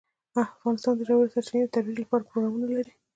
افغانستان د ژورې سرچینې د ترویج لپاره پروګرامونه لري.